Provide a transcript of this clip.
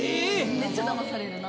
めっちゃ騙されるな。